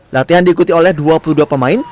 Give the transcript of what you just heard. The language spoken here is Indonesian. latihan diikuti oleh dua puluh dua pemain